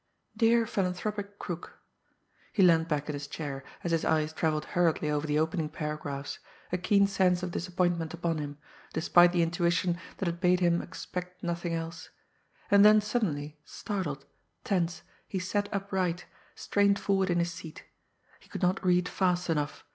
"Dear Philanthropic Crook" he leaned back in his chair, as his eyes travelled hurriedly over the opening paragraphs, a keen sense of disappointment upon him, despite the intuition that had bade him expect nothing else and then suddenly, startled, tense, he sat upright, strained forward in his seat. He could not read fast enough.